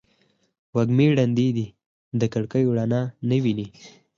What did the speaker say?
وږمې ړندې دي د کړکېو رڼا نه ویني